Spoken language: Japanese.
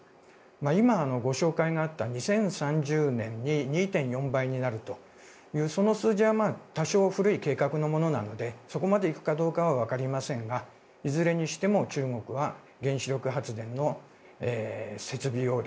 今、ご紹介のあった２０３０年に２．４倍になるというその数字は多少古い計画のものなのでそこまでいくかどうかは分かりませんがいずれにしても中国は原子力発電の設備容量